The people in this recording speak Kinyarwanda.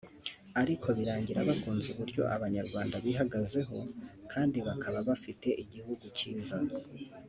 ariko birangira bakunze uburyo Abanyarwanda bihagazeho kandi bakaba bafite igihugu cyiza